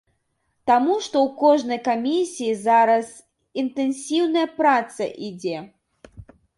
Таму, што ў кожнай камісіі зараз інтэнсіўная праца ідзе.